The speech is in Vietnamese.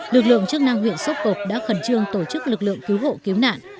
lực lượng chức năng huyện sốp cộp đã khẩn trương tổ chức lực lượng cứu hộ cứu nạn